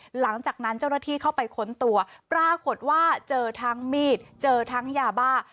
หลังจากนั้นเจ้าหน้าที่เข้าไปค้นตัวปรากฏว่าเจอทั้งมีดเจอทั้งยาบ้า